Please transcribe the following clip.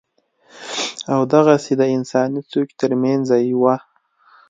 او دغسې دَانساني سوچ تر مېنځه يوه